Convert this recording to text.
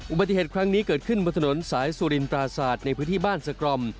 อุบัติเหตุครั้งนี้เกิดขึ้นบนถนนสายสุรินปราศาสตร์ในพื้นที่บ้านสกรม